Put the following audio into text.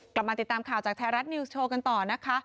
กลับมาติดตามข่าวจากไทยรัฐนิวส์โชว์กันต่อนะคะ